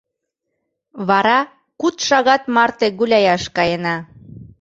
Вара куд шагат марте гуляяш каена.